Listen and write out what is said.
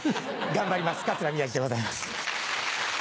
頑張ります桂宮治でございます。